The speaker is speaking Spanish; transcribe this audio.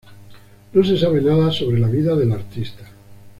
No se sabe nada sobre la vida del artista.